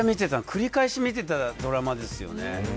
繰り返して見てたドラマですよね。